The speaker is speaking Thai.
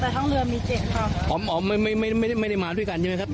แต่ห้องเรือมีเจ็ดค่ะอ๋อไม่ไม่ไม่ได้ไม่ได้มาด้วยกันใช่ไหมครับ